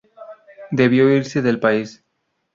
Debió irse del país.